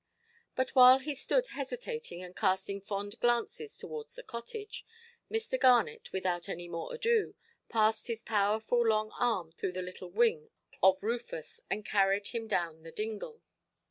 But while he stood hesitating, and casting fond glances towards the cottage, Mr. Garnet, without any more ado, passed his powerful long arm through the little wing of Rufus, and hurried him down the dingle.